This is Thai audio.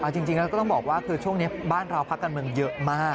จริงแล้วก็ต้องบอกช่วงนี้บ้านเราพักกันเยอะมาก